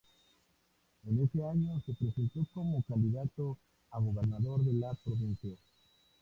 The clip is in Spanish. En ese año se presentó como candidato a gobernador de la Provincia.